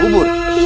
ya ampun bang